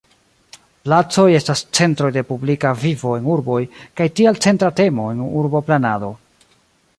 Placoj estas centroj de publika vivo en urboj kaj tial centra temo en urboplanado.